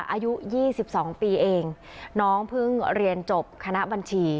อายุยี่สิบสองปีเองน้องเพิ่งเรียนจบคณะบัญชี